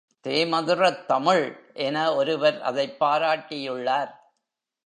தேமதுரத் தமிழ் என ஒருவர் அதைப் பாராட்டியுள்ளார்.